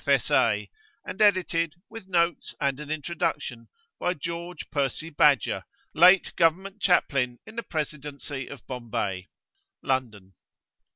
F.S.A., and edited, [p.xx]with notes and an Introduction, by George Percy Badger, late Government Chaplain in the Presidency of Bombay. London.)